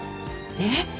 えっ？